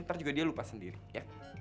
ntar dia juga lupa sendiri